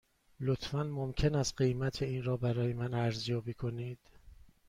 لطفاً ممکن است قیمت این را برای من ارزیابی کنید؟